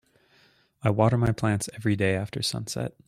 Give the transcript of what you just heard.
I water my plants everyday after sunset.